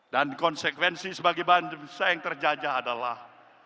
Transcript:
dan konsekuensi sebagai bangsa yang terjajah adalah